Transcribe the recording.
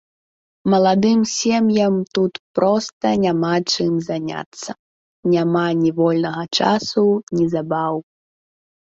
Маладым сем'ям тут проста няма чым заняцца, няма ні вольнага часу, ні забаў.